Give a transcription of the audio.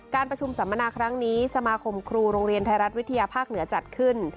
การประชุมสัมมนาครั้งนี้สมาคมครูโรงเรียนไทยรัฐวิทยาภาคเหนือจัดขึ้น